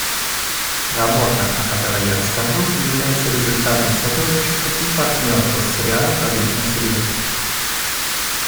Работа, о которой я расскажу, является результатом сотрудничества и партнерства с рядом различных субъектов.